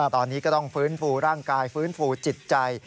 ตอนนี้ก็ต้องฟื้นฟูร่างกายฟื้นฟูจิตใจ